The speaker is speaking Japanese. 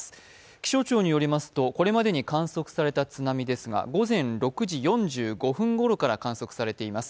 気象庁によりますと、これまでに観測された津波ですが午前６時４５分ごろから観測されています。